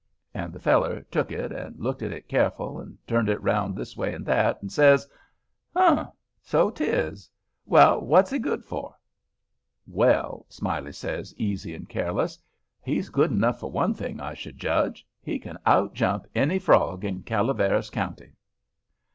And the feller took it, and looked at it careful, and turned it round this way and that, and says, "H'm—so 'tis. Well, what's he good for?" "Well," Smiley says, easy and careless, "he's good enough for one thing, I should judge—he can outjump any frog in Calaveras county."